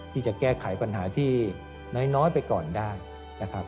ที่จะแก้ไขปัญหาที่น้อยไปก่อนได้นะครับ